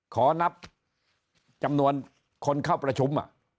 ขอนับจำนวนคนเข้าประชุม